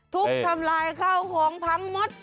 ทุกข์ทำลายเข้าของพังหมด